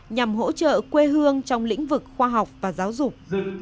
nhằm hỗ trợ quê hương trong lĩnh vực khoa học và giáo dục